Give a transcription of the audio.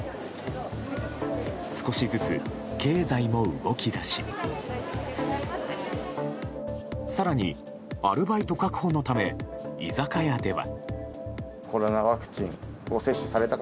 少しずつ経済も動き出し更に、アルバイト確保のため居酒屋では。